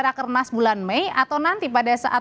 rakernas bulan mei atau nanti pada saat